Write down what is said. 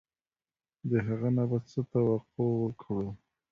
د هغه نه به څه توقع وکړو.